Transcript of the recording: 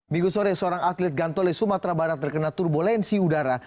minggu sore seorang atlet gantole sumatera barat terkena turbulensi udara